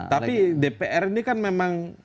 tapi dpr ini kan memang